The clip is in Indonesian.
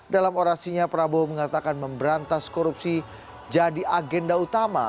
dalam orasinya prabowo mengatakan memberantas korupsi jadi agenda utama